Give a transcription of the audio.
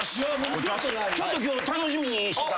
ちょっと今日楽しみにしてた。